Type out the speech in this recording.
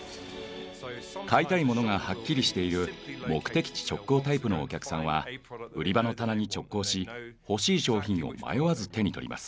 買いたいものがハッキリしている「目的地直行タイプ」のお客さんは売り場の棚に直行し欲しい商品を迷わず手に取ります。